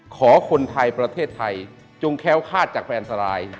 คนไทยประเทศไทยจงแค้วคาดจากแฟนสราย